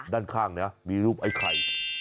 ด้านข้างนะมีรูปไอ้ไข่